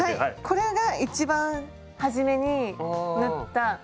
これがいちばん初めに縫った。